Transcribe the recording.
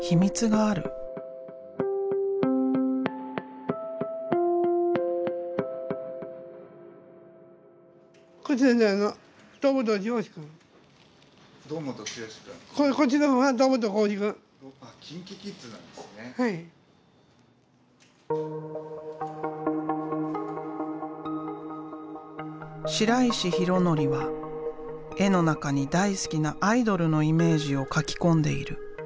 則は絵の中に大好きなアイドルのイメージをかき込んでいる。